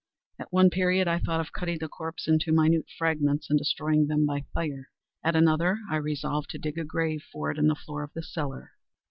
At one period I thought of cutting the corpse into minute fragments, and destroying them by fire. At another, I resolved to dig a grave for it in the floor of the cellar.